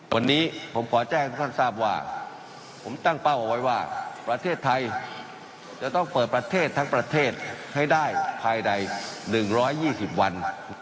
วันนี้ผมขอแจ้งให้ท่านทราบว่าผมตั้งเป้าเอาไว้ว่าประเทศไทยจะต้องเปิดประเทศทั้งประเทศให้ได้ภายใด๑๒๐วัน